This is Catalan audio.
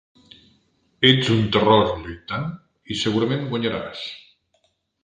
Ets un terror lluitant i segurament guanyaràs.